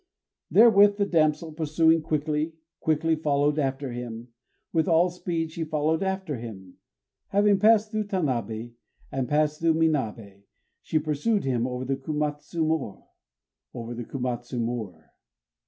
Therewith the damsel, pursuing, quickly, quickly followed after him; with all speed she followed after him. Having passed through Tanabé and passed through Minabé, she pursued him over the Komatsu moor, _Over the Komatsu moor.